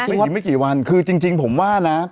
อีกไม่กี่วันคือจริงผมว่านะ